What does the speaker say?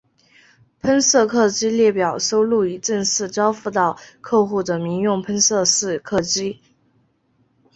喷射客机列表收录已正式交付到客户的民用喷气式客机。